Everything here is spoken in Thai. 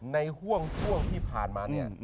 ห่วงช่วงที่ผ่านมาเนี่ย